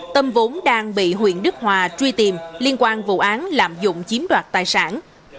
tâm vốn đang bị huyện đức hòa truy tìm liên quan vụ án lạm dụng chiếm đoạt tài sản